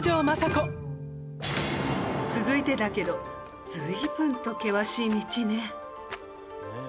続いてだけど随分と険しい道ね。